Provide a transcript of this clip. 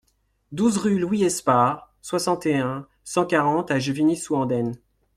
douze rue Louis Esparre, soixante et un, cent quarante à Juvigny-sous-Andaine